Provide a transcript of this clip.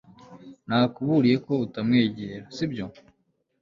nakuburiye ko utamwegera, sibyo